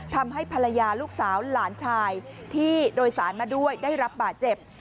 ทำให้ภรรยาลูกสาวหลานชายที่โดยสารมาด้วยได้รับบาดเจ็บ